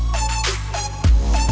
bos kepala lo ya